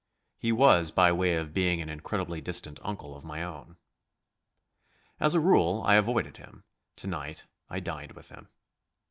He was by way of being an incredibly distant uncle of my own. As a rule I avoided him, to night I dined with him.